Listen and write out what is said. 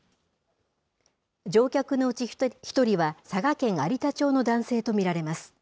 乗客のうちの１人は佐賀県有田町の男性と見られます。